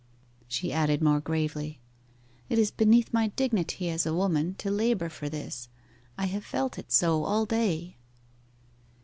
She added more gravely, 'It is beneath my dignity as a woman to labour for this; I have felt it so all day.